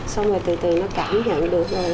xong rồi từ từ nó cảm nhận được